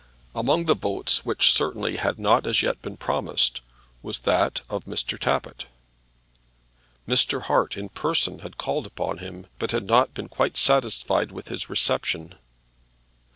Among the votes which certainly had not as yet been promised was that of Mr. Tappitt. Mr. Hart in person had called upon him, but had not been quite satisfied with his reception.